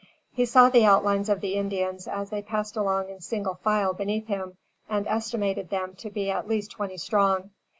He saw the outlines of the Indians as they passed along in single file beneath him and estimated them to be at least twenty strong.